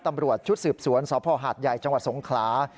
ตำรวจชุดสืบสวนสภหาดใหญ่จสงครา